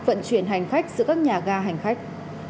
vận chuyển hành khách giữa các nhà ga hành khách